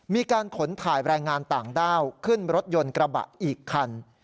มีการขนถ่ายแรงงานต่างด้าวขึ้นรถยนต์กระบะอีกคัน